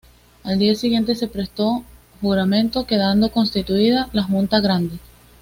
Al día siguiente se prestó juramento, quedando constituida la Junta Grande.